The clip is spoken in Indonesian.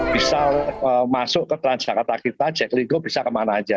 bisa masuk ke transjakarta kita jack lingo bisa kemana saja